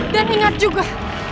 dan ingat juga